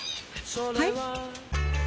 はい？